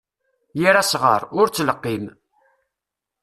Yir asɣar, ur ttleqqim.